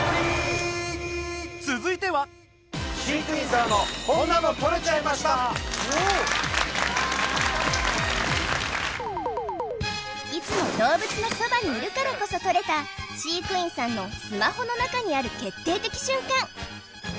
さらにそうだね続いてはいつも動物のそばにいるからこそ撮れた飼育員さんのスマホの中にある決定的瞬間